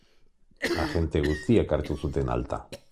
Agente guztiek hartu zuten alta.